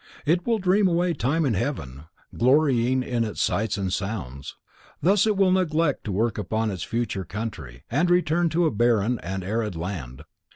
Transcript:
It will dream away time in heaven, glorying in its sights and sounds. Thus it will neglect to work upon its future country and return to a barren and arid land.